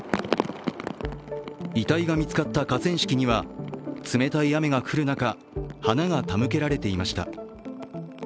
痛いが見つかった河川敷には冷たい雨が降る中、花が手向けられていました。